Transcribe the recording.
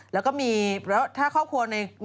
แล้วก็มีแล้วถ้าครอบครัวใน